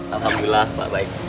alhamdulillah pak baik